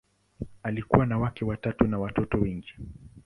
Alikuwa na wake watatu na watoto wengi.